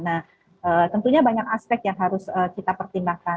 nah tentunya banyak aspek yang harus kita pertimbangkan